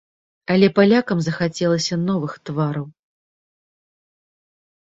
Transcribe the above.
Але палякам захацелася новых твараў.